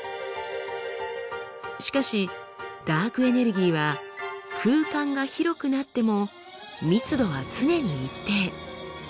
しかしダークエネルギーは空間が広くなっても密度は常に一定。